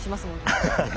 アハハハ。